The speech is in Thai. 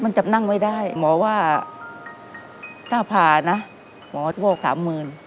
มันจับนั่งไม่ได้หมอว่าถ้าผ่านะหมอโทร๓๐๐๐๐